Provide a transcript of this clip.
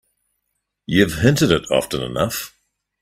You've hinted it often enough.